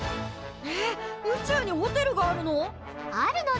えっ宇宙にホテルがあるの！？